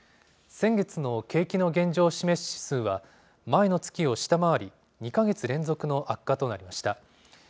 先月の景気の現状を示す指数は、前の月を下回り、２か月連続の悪化となりました。